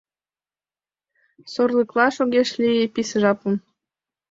Сорлыклаш огеш лий писе жапым!